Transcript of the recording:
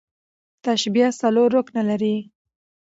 تشبیه څلور رکنه لري.